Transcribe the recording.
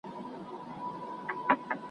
دسبا د جنګ په تمه ,